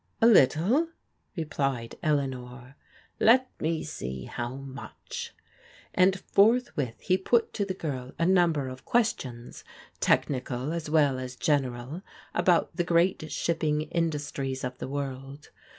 " A little," replied Eleanor. " Let me see how much," and forthwith he put to the girl a number of questions, technical as well as general, about the great shipping industries of the world.